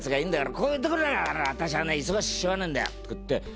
こういうところが私はね忙しくてしょうがねえんだよ」とか言って。